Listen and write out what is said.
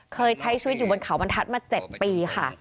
เคยใช้ชีวิตที่ข่าวบันทัศน์มา๗ปีค่ะ